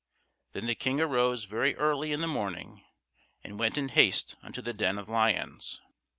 Then the King arose very early in the morning, and went in haste unto the den of lions.